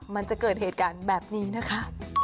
มันจะเกิดเหตุการณ์แบบนี้นะคะ